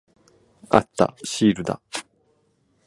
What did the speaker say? あった。シールだ。